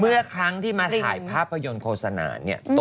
เมื่อครั้งที่มาถ่ายภาพยนต์โฆษณาตนได้มีโอกาส